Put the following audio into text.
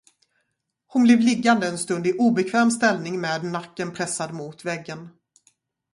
Hon blev liggande en stund i obekväm ställning med nacken pressad mot väggen.